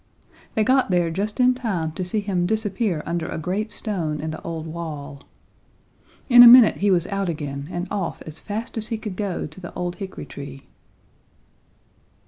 They got there just in time to see him disappear under a great stone in the old wall. In a minute he was out again and off as fast as he could go to the old hickory tree.